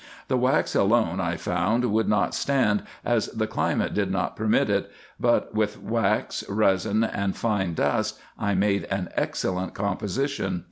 The wax alone I found would not stand, as the climate did not permit it ; but with wax, resin, and fine dust, I made an excellent composition.